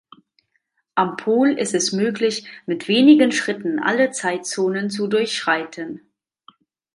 Am Pol ist es möglich, mit wenigen Schritten alle Zeitzonen zu durchschreiten.